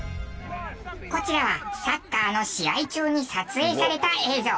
こちらはサッカーの試合中に撮影された映像。